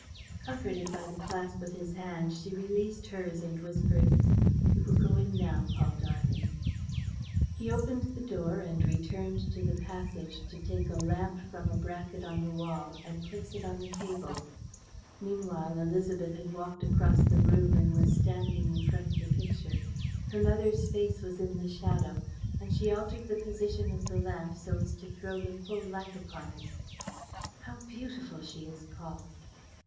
Comforted by the clasp of his hand, she released hers and whispered: "We will go in now, Paul darling." He opened the door and returned to the passage to take a lamp from a bracket on the wall and place it on the table. Meanwhile, Élisabeth had walked across the room and was standing in front of the picture. Her mother's face was in the shadow and she altered the position of the lamp so as to throw the full light upon it. "How beautiful she is, Paul!"